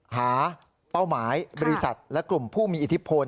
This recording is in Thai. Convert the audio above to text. เป้าหมายบริษัทและกลุ่มผู้มีอิทธิพล